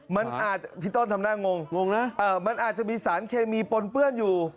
มันอาจพี่ต้นทำหน้างงงนะมันอาจจะมีสารเคมีปนเปื้อนอยู่